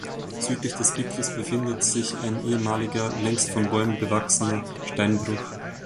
Südlich des Gipfels befindet sich ein ehemaliger, längst von Bäumen bewachsener Steinbruch.